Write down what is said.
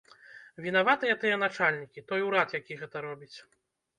Вінаватыя тыя начальнікі, той урад, які гэта робіць.